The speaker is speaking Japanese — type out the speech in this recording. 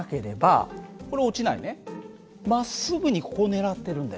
まっすぐにここを狙ってるんだよ実は。